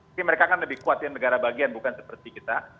tapi mereka kan lebih kuat yang negara bagian bukan seperti kita